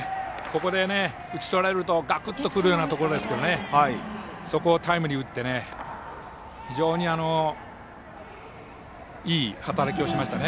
ここで打ち取られるとガクッとくるようなところですけどそこをタイムリーを打って非常にいい働きをしましたね。